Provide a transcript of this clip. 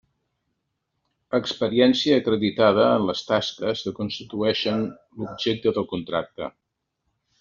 Experiència acreditada en les tasques que constitueixen l'objecte del contracte.